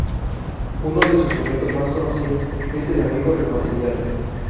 Uno de sus sonetos más conocidos es "El amigo reconciliado".